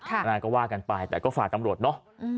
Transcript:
อะไรก็ว่ากันไปแต่ก็ฝากตำรวจเนอะ